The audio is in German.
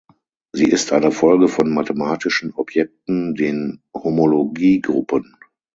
Sie ist eine Folge von mathematischen Objekten, den Homologiegruppen.